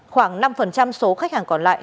khoảng năm số khách hàng còn lại